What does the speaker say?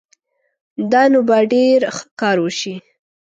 دا نو به ډېر ښه کار وشي